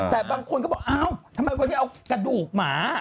แต่บางคนก็บอกเอ้าทำไมวันนี้เอากระดูกหมา